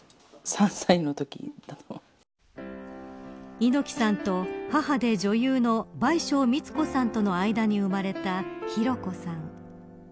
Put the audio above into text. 猪木さんと母で女優の倍賞美津子さんとの間に生まれた寛子さん。